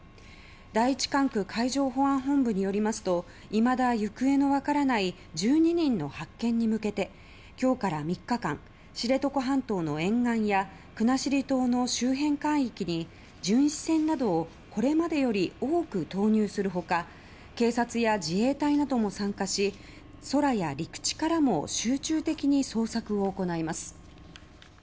第１管区海上保安本部によりますといまだ行方の分からない１２人の発見に向けて今日から３日間知床半島の沿岸や国後島の周辺海域に巡視船などをこれまでより多く投入する他警察や自衛隊なども参加し空や陸地からも集中的に捜索を行います。